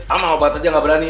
ama obat aja gak berani